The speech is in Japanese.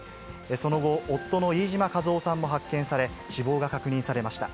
その後、夫の飯島和夫さんも発見され、死亡が確認されました。